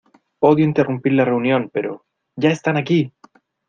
Odio interrumpir la reunión, pero... ¡ ya están aquí!